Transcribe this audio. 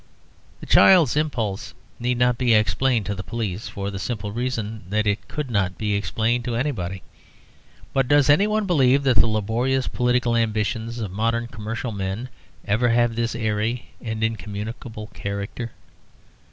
The child's impulse need not be explained to the police, for the simple reason that it could not be explained to anybody. But does any one believe that the laborious political ambitions of modern commercial men ever have this airy and incommunicable character?